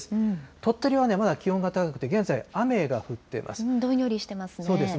鳥取はまだ気温が高くて、現在、どんよりしてますね。